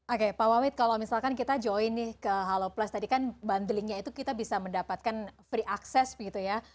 oke pak wawid kalau misalkan kita join nih ke halo plus tadi kan bundlingnya itu kita bisa mendapatkan free access begitu ya